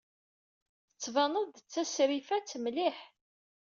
Tettbaned-d d tasrifatt mliḥ.